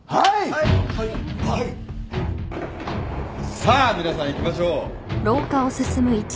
さあ皆さんいきましょう。